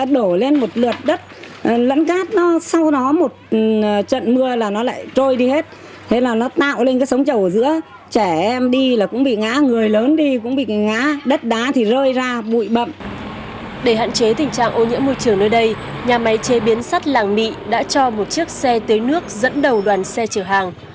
để hạn chế tình trạng ô nhiễm môi trường nơi đây nhà máy chế biến sắt làng mỹ đã cho một chiếc xe tới nước dẫn đầu đoàn xe chở hàng